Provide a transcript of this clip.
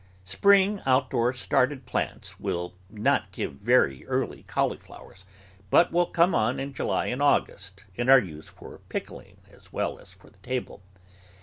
Spring outdoor started plants will not give very early cauliflowers, but will come on in July and August, and are used for pickling as well as for the table.